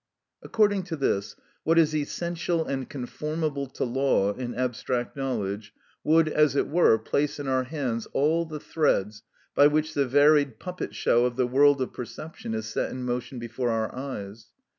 According to this, what is essential and conformable to law in abstract knowledge would, as it were, place in our hands all the threads by which the varied puppet show of the world of perception is set in motion before our eyes.